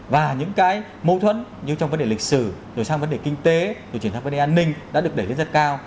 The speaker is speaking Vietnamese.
và những cái mâu thuẫn như trong vấn đề lịch sử rồi sang vấn đề kinh tế rồi chuyển sang vấn đề an ninh đã được đẩy lên rất cao